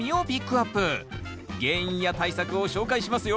原因や対策を紹介しますよ。